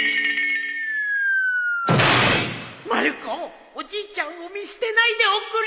まる子おじいちゃんを見捨てないでおくれ！